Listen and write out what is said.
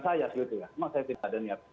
saya memang saya tidak ada niat